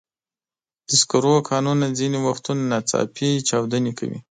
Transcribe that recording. د سکرو کانونه ځینې وختونه ناڅاپي چاودنې کوي.